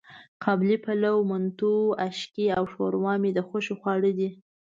قابلي پلو، منتو، آشکې او ښوروا مې د خوښې خواړه دي.